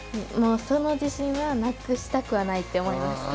その自信はなくしたくはないって思います。